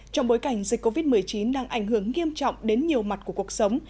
trong bối cảnh dịch covid một mươi chín đang ảnh hưởng nghiêm trọng đến nhiều mặt của cuộc sống